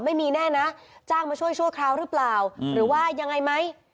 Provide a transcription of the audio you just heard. ไม่มีแน่นะจ้างมาช่วยชั่วคราวหรือเปล่าหรือว่ายังไงไหม